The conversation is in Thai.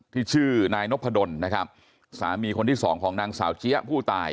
ชื่อนายนพดลนะครับสามีคนที่สองของนางสาวเจี๊ยะผู้ตาย